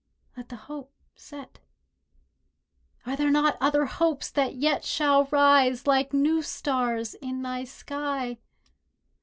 Let the hope set. Are there not other hopes That yet shall rise like new stars in thy sky?